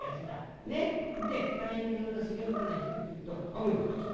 で互いにいろんな世間話してるってえと雨が降ってきた。